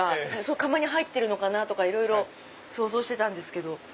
釜に入ってるのかなとかいろいろ想像してたんですけど。